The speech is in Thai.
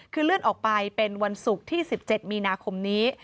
คือเลื่อนออกไปเป็นวันศุกร์ที่๑๗มีนาคมนี้